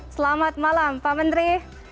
selamat malam pak menteri